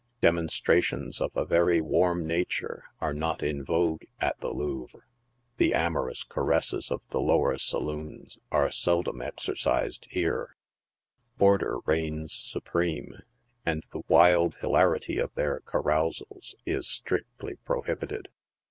Demonstra tions of a very warm nature arc not in vogue at the " Louvre" ; the amorous caresses of the lower saloons are seldom exercised here ; order reigns supreme, and the wild hilarity of their carousals is strictly prohibited.